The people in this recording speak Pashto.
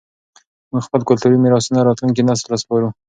موږ خپل کلتوري میراثونه راتلونکي نسل ته سپارو.